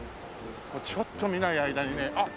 ちょっと見ない間にねあっ！